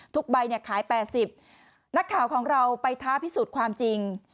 ใบเนี่ยขาย๘๐นักข่าวของเราไปท้าพิสูจน์ความจริง